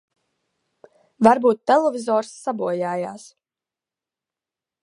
Varbūt televizors sabojājās.